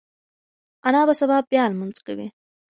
انا به سبا بیا لمونځ کوي.